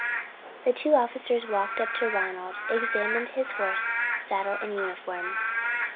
The two officers walked up to Ronald, examined his horse, saddle, and uniform.